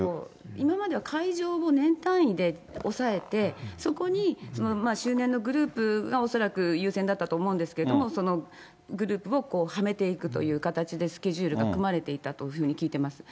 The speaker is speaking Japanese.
今までは会場も年単位でおさえて、そこに周年のグループが恐らく優先だったと思うんですけれども、そのグループをはめていくという形でスケジュールが組まれていたというふうに聞いています。